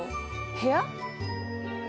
部屋？